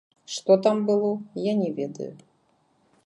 Што там было, я не ведаю.